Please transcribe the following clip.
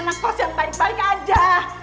anak kos yang baik baik aja